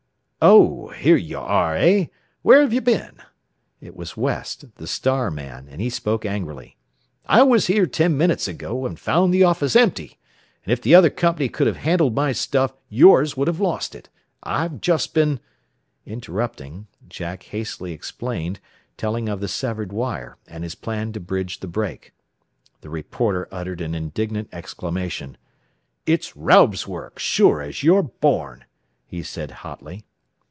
"Oh here you are, eh? Where have you been?" It was West, the "Star" man, and he spoke angrily. "I was here ten minutes ago, and found the office empty, and if the other company could have handled my stuff yours would have lost it. I've just been " Interrupting, Jack hastily explained, telling of the severed wire, and his plan to bridge the break. The reporter uttered an indignant exclamation. "It's Raub's work, sure as you're born," he said hotly.